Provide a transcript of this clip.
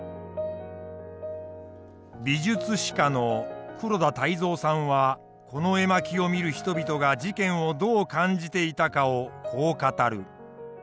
美術史家の黒田泰三さんはこの絵巻を見る人々が事件をどう感じていたかをこう語る。